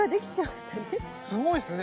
すごいっすね。